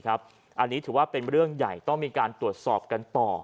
อันนี้ถือว่าเป็นเรื่องใหญ่ต้องมีการตรวจสอบกันต่อ